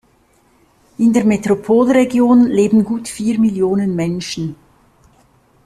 In der Metropolregion leben gut vier Millionen Menschen.